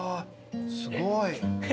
すごい。